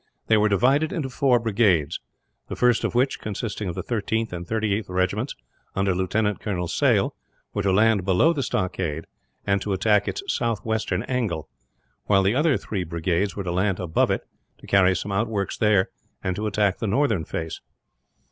They were divided into four brigades; the first of which consisting of the 13th and 38th Regiments, under Lieutenant Colonel Sale were to land below the stockade, and to attack its south western angle; while the other three brigades were to land above it, to carry some outworks there, and to attack the northern face.